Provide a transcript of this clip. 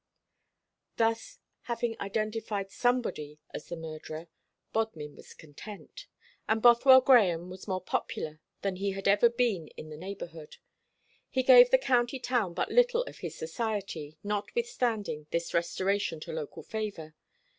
Thus having identified somebody as the murderer, Bodmin was content; and Bothwell Grahame was more popular than he had ever been in the neighbourhood. He gave the county town but little of his society, notwithstanding this restoration to local favour.